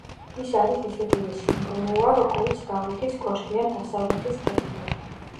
ის არის ისეთივე სიმბოლოა, როგორიც დავითის კოშკი ან დასავლეთის კედელი.